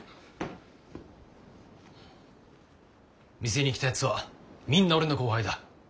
店に来たやつはみんな俺の後輩だ。